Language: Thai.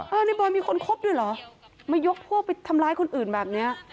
ในบอยมีคนคบด้วยเหรอมายกพวกไปทำร้ายคนอื่นแบบเนี้ย